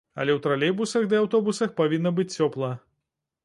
Але ў тралейбусах ды аўтобусах павінна быць цёпла.